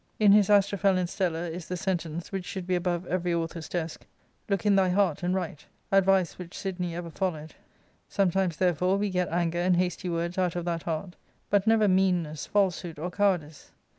In his "Astrophel and Stella"* is the sentence — which should be above every author's desk —" Looke in thy heart, and write ;" advice which Sidney ever followed. Sometimes therefore, we get anger and hasty words out of that heart, but never meanness, falsehood, or cowardice.